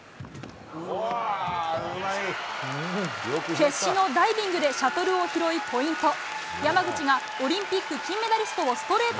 決死のダイビングでシャトルを拾いポイント。